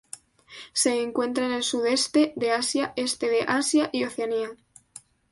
Se encuentra en el sudeste de Asia, este de Asia y Oceanía.